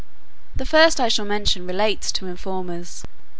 The first I shall mention, relates to informers.